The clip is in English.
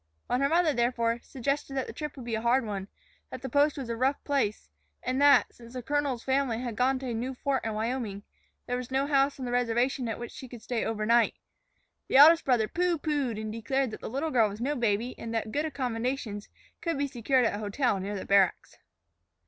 When her mother, therefore, suggested that the trip would be a hard one, that the post was a rough place, and that, since the colonel's family had gone to a new fort in Wyoming, there was no house on the reservation at which she could stay overnight, the eldest brother pooh poohed and declared that the little girl was no baby and that very good accommodations could be secured at a hotel near the barracks.